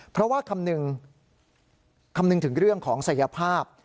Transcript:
เพราะว่าคำนึงถึงเรื่องของศัยภาพ